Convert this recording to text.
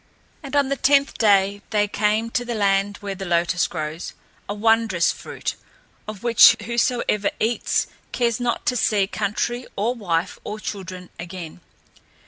And on the tenth day they came to the land where the lotus grows a wondrous fruit, of which whosoever eats cares not to see country or wife or children again.